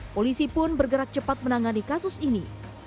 polisi pun bergerak cepat menangani kasus ini